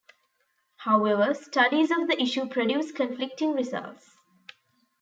However, studies of the issue produce conflicting results.